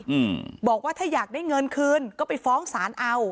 อืมบอกว่าถ้าอยากได้เงินคืนก็ไปฟ้องศาลเอา